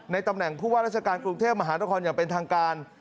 ตำแหน่งผู้ว่าราชการกรุงเทพมหานครอย่างเป็นทางการ